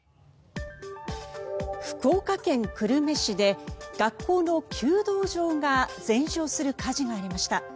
福岡県久留米市で学校の弓道場が全焼する火事がありました。